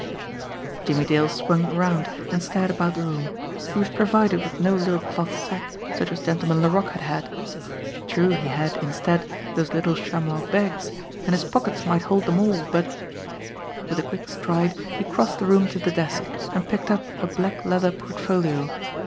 Jimmie Dale swung around and stared about the room. He was provided with no little cloth sack such as Gentleman Laroque had had ; true he had, instead, those little chamois bags, and his pockets might hold them all, but With a quick stride he crossed the room to the desk, and picked up a black leather portfolio.